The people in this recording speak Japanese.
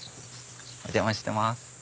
お邪魔してます。